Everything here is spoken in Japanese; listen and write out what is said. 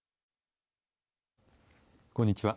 こんにちは。